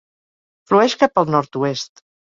Flueix cap al nord-oest.